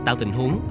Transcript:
tạo tình huống